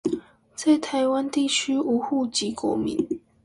在臺灣地區無戶籍國民